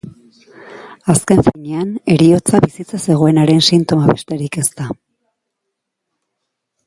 Azken finean, heriotza bizitza zegoenaren sintoma besterik ez da